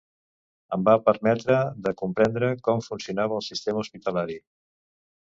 Em va permetre de comprendre com funcionava el sistema hospitalari